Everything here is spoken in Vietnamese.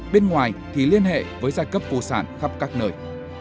bên ngoài thì liên hệ với giai cấp vô sản khắp các nơi